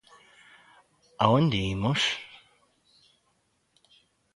¿A onde imos?